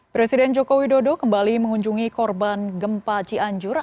presiden joko widodo kembali mengunjungi korban gempa cianjur